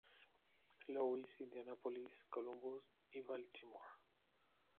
Louis, Indianápolis, Columbus y Baltimore.